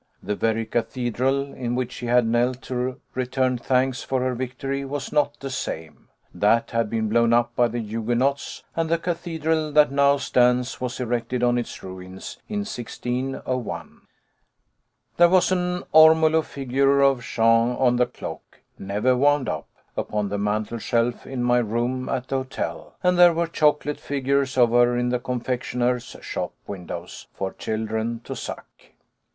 The very cathedral in which she had knelt to return thanks for her victory was not the same. That had been blown up by the Huguenots, and the cathedral that now stands was erected on its ruins in 1601. There was an ormolu figure of Jeanne on the clock never wound up upon the mantelshelf in my room at the hotel, and there were chocolate figures of her in the confectioners' shop windows for children to suck.